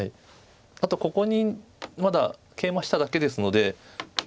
あとここにまだケイマしただけですので。